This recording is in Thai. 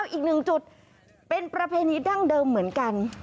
อีกหนึ่งจุดเป็นประเพณีดั้งเดิมเหมือนกัน